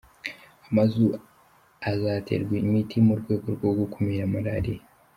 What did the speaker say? Amazu azaterwa imiti mu rwego rwo gukumira Malariya